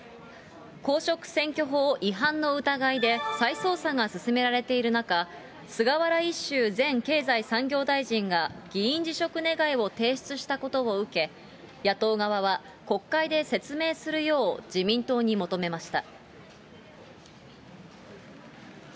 公職選挙法違反の疑いで再捜査が進められている中、菅原一秀前経済産業大臣が、議員辞職願を提出したことを受け、野党側は、国会で説明するよう自民党側に求めました。